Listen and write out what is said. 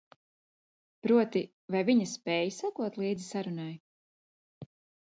Proti, vai viņa spēj sekot līdzi sarunai?